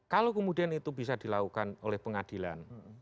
kalau kemudian itu bisa dilakukan oleh pengadilan